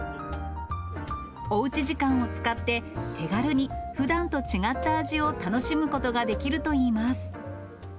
おうち時間を使って、手軽にふだんと違った味を楽しむことができるといいます。